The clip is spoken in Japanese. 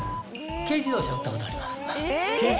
軽自動車売ったことあります。